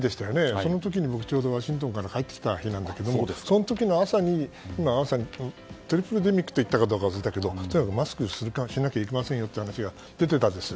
その時に僕ワシントンから帰ってきた日なんだけどその時の朝にトリプルデミックと言ったかどうか忘れたけど例えばマスクをしないといけませんよという話が出ていたんです。